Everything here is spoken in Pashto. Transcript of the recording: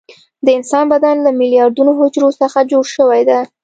د انسان بدن له میلیاردونو حجرو څخه جوړ شوى ده.